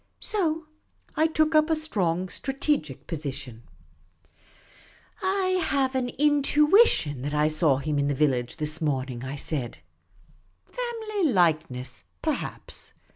So I took up a strong strat egic position. " I have an intuition that I saw him in the vil 40 Miss Cayley's Adventures lage this morning," I said. " Family likeness, perhaps.